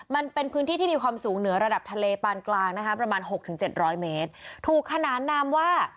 มันเป็นพื้นที่ที่มีความสูงเหนือระดับทะเลปานกลางนะคะประมาณหกถึงเจ็ดร้อยเมตรถูกขนานนามว่า